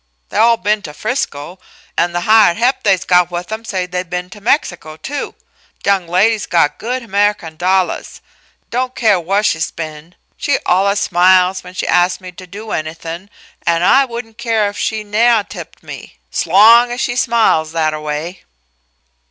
They all been to Frisco, an' the hired he'p they's got with 'em say they been to Mexico, too. Th' young lady's got good Amehican dollahs, don' care wha' she's been. She allus smiles when she ask me to do anythin', an' I wouldn' care if she nevah tipped me, 's long as she smiles thataway."